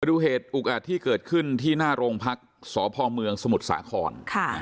ดูเหตุอุกอาจที่เกิดขึ้นที่หน้าโรงพักษ์สพเมืองสมุทรสาคร